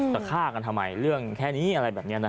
จะฆ่ากันทำไมเรื่องแค่นี้อะไรแบบนี้นะ